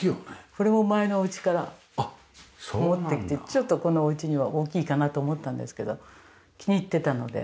これも前のお家から持ってきてちょっとこのお家には大きいかなと思ったんですけど気に入ってたので。